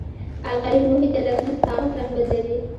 القلي محیط د لتمس کاغذ رنګ بدلوي.